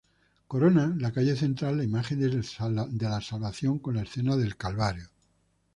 Corona la calle central la imagen de la Salvación con la escena del Calvario.